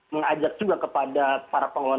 mengajak juga kepada para pengelola